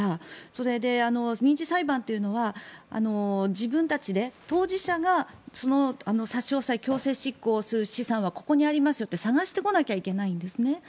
それで民事裁判というのは自分たちで当事者がその差し押さえ強制執行する資産はここにありますよって探してこなきゃいけないんですね